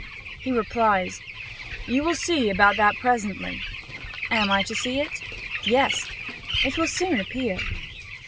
He replies: "You will see about that presently.".... "Am I to see it?".... "Yes.".... "It will soon appear."....